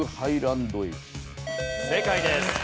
正解です。